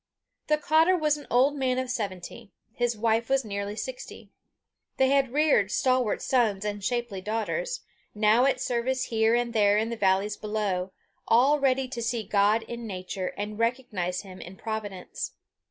The cottar was an old man of seventy; his wife was nearly sixty. They had reared stalwart sons and shapely daughters, now at service here and there in the valleys below all ready to see God in nature, and recognize Him in providence.